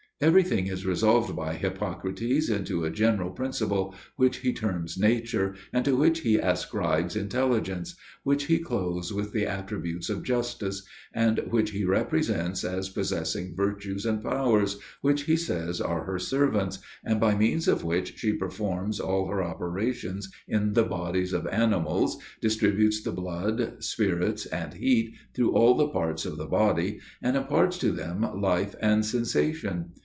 Every thing is resolved by Hippocrates into a general principle, which he terms nature; and to which he ascribes intelligence; which he clothes with the attributes of justice; and which he represents as possessing virtues and powers, which he says are her servants, and by means of which she performs all her operations in the bodies of animals, distributes the blood, spirits, and heat, through all the parts of the body, and imparts to them life and sensation.